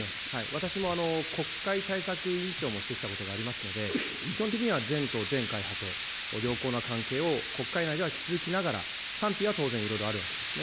私も国会対策委員長もしてきたことがありますので、基本的には全党、全会派と良好な関係を国会内では築きながら、賛否は当然、いろいろあるわけですね。